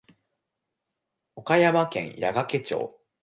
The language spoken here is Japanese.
岡山県矢掛町